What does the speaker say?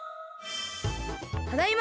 ただいま！